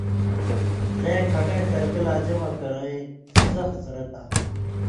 سېں کھٹَیں طریقہ لا جمع کرَیں سخ زَرت آن٘سیۡ۔